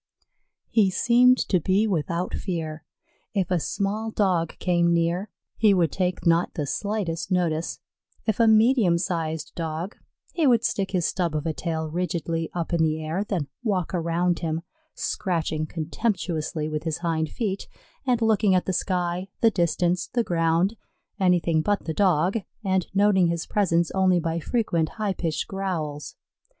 He seemed to be without fear. If a small Dog came near, he would take not the slightest notice; if a medium sized Dog, he would stick his stub of a tail rigidly up in the air, then walk around him, scratching contemptuously with his hind feet, and looking at the sky, the distance, the ground, anything but the Dog, and noting his presence only by frequent high pitched growls.